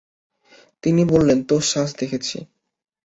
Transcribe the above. তিনি বললেন, তোর সাজ দেখছি।